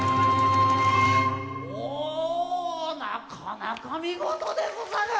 おぉなかなかみごとでござる！